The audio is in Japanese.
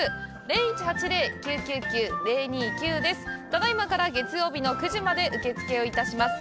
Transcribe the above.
ただいまから月曜日の９時まで受け付けをいたします。